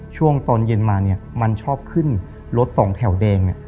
ช่วงตอนเย็นมาเนี่ยมันชอบขึ้นรถสองแถวแดง